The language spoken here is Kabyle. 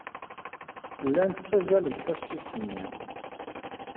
Llant ssazzalent tasfift-nni.